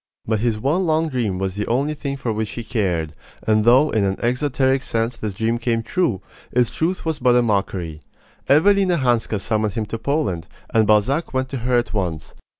But his one long dream was the only thing for which he cared; and though in an exoteric sense this dream came true, its truth was but a mockery. Evelina Hanska summoned him to Poland, and Balzac went to her at once.